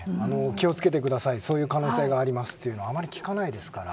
気を付けてくださいそういう可能性がありますというのはあまり聞かないですから。